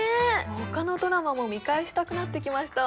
他のドラマも見返したくなってきました